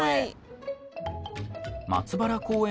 松原公園